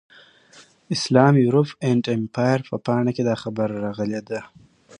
اسلام، یورپ اینډ امپایر په پاڼه کې دا خبره راغلې ده.